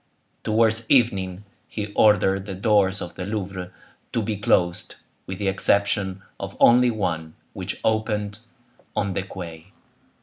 Towards evening he ordered the doors of the Louvre to be closed, with the exception of only one, which opened on the quay.